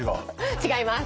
違います。